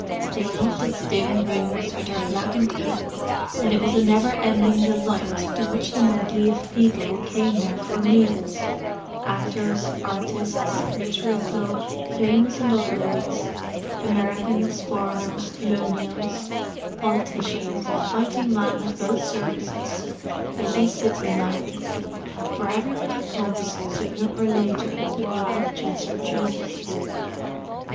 They loved its dim rooms with their blackened oak, and it was a never ending delight to watch the medley of people who came there for meals: actors, artists, literary folk, famous and otherwise; Americans, foreigners, Colonials; politicians, fighting men of both Services, busy City men: for everybody comes, sooner or later, to the old Cheshire Cheese.